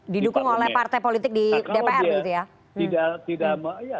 didukung oleh partai politik di depan